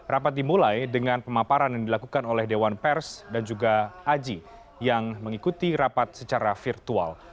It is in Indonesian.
rapat dimulai dengan pemaparan yang dilakukan oleh dewan pers dan juga aji yang mengikuti rapat secara virtual